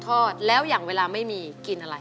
คนที่สองชื่อน้องก็เอาหลานมาให้ป้าวันเลี้ยงสองคน